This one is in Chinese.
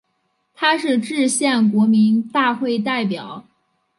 他是制宪国民大会代表。